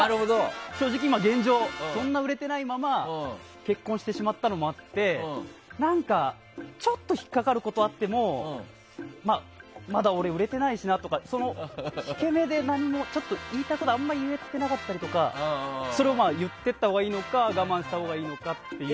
正直、現状はそんなに売れてないまま結婚してしまったのもあって何か、ちょっと引っかかることあってもまだ俺、売れてないしなとかその引け目で言いたいことをあまり言えてなかったりとかそれを言ったほうがいいのか我慢したほうがいいのかって。